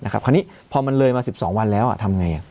คราวนี้พอมันเลยมา๑๒วันแล้วทำไง